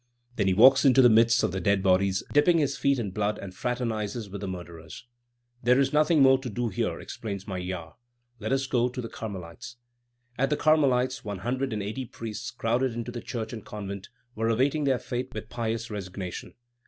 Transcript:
Then he walks into the midst of the dead bodies, dipping his feet in blood, and fraternizes with the murderers. "There is nothing more to do here," exclaims Maillard; "let us go to the Carmelites." At the Carmelites, one hundred and eighty priests, crowded into the church and convent, were awaiting their fate with pious resignation.